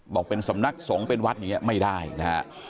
บอกเป็นสำนักสงฆ์เป็นวัดอย่างนี้ไม่ได้นะฮะ